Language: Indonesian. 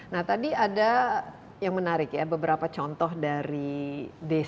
nah tadi ada yang menarik ya beberapa contoh dari desa